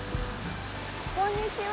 こんにちは。